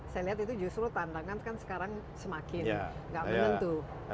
saya lihat itu justru tantangan kan sekarang semakin nggak menentu